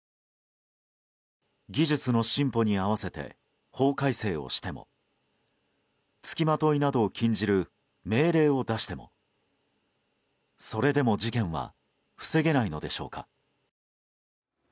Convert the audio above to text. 技術の進歩に合わせて法改正をしても付きまといなどを禁じる命令を出してもそれでも事件は防げないのでしょうか。